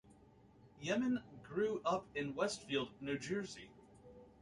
Yemin grew up in Westfield, New Jersey.